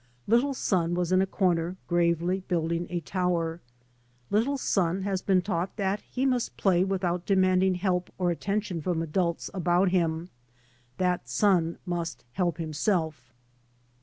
Little son was in a corner, gravely building a tower. Little son has been taught that he must play without de manding help or attention from adults about him, that " son must help himself."